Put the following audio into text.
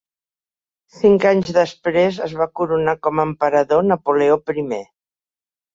Cinc anys després, es va coronar com a emperador Napoleó I.